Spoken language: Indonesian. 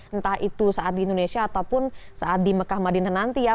entah itu saat di indonesia ataupun saat di mekah madinah nanti ya